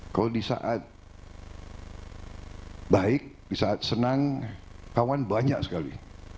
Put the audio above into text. kalau di saat baik di saat senang kawan banyak sekali